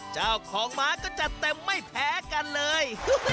เจ้าของม้าก็จัดเต็มไม่แพ้กันเลย